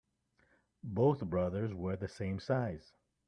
Both brothers wear the same size.